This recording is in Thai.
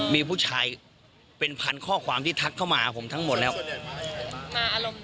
มีผู้ชายเป็นพันข้อความที่ทักเข้ามาหาผมทั้งหมดแล้ว